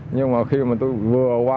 nhưng mà khi mà tôi vừa qua